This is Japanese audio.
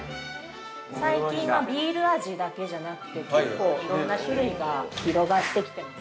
◆最近はビール味だけじゃなくて結構いろんな種類が広がってきています。